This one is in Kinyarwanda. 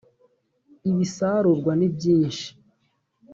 ibisarurwa ni byinshi